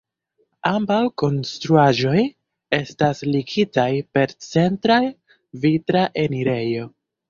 Ambaŭ konstruaĵoj estas ligitaj per centra vitra enirejo.